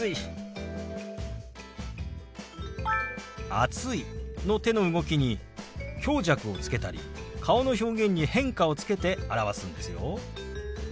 「暑い」の手の動きに強弱をつけたり顔の表現に変化をつけて表すんですよ。